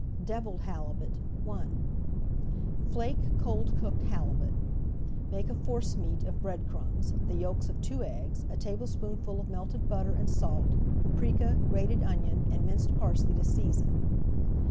DEVILLED HALIBUT I Flake cold cooked halibut. Make a forcemeat of bread crumbs, the yolks of two eggs, a tablespoonful of melted butter, and salt, [Page 179] paprika, grated onion, and minced parsley to season.